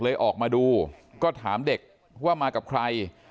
ออกมาดูก็ถามเด็กว่ามากับใคร